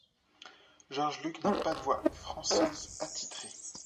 Jorge Luke n'a pas de voix française attitrée.